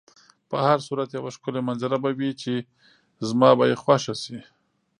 په هر صورت یوه ښکلې منظره به وي چې زما به یې خوښه شي.